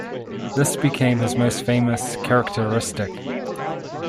This became his most famous characteristic.